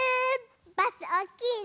バスおおきいね！